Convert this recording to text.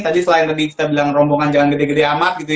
tadi selain tadi kita bilang rombongan jangan gede gede amat gitu ya